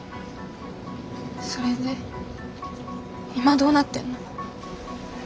それで今どうなってんの？